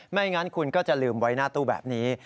ไม่งั้นคุณก็จะลืมไว้หน้าตู้แบบนี้